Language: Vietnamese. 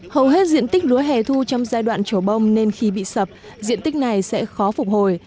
hầu hết diện tích lúa hẻ thu trong giai đoạn trổ bông nên khi bị sập diện tích này sẽ khó phục hồi